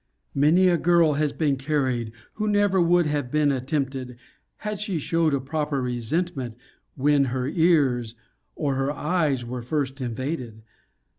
Many a girl has been carried, who never would have been attempted, had she showed a proper resentment, when her ears, or her eyes were first invaded.